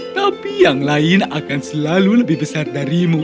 tapi yang lain akan selalu lebih besar darimu